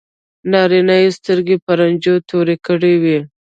نارینه یې سترګې په رنجو تورې کړې وي.